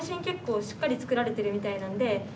結構しっかり造られてるみたいなんで。